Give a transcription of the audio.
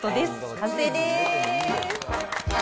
完成です。